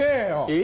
え？